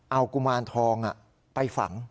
เอากุมารทองไปฝัง